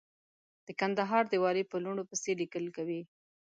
د کندهار د والي په لوڼو پسې ليکل کوي.